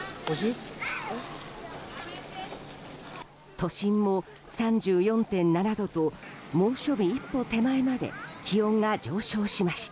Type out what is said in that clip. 都心も３４．７度と猛暑日一歩手前まで気温が上昇しました。